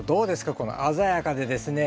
この鮮やかでですね